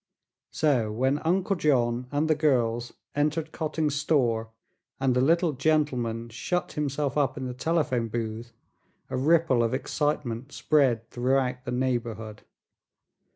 So, when Uncle John and the girls entered Cotting's store and the little gentleman shut himself up in the telephone booth, a ripple of excitement spread throughout the neighborhood.